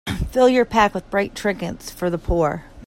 Fill your pack with bright trinkets for the poor.